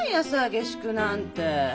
下宿なんて。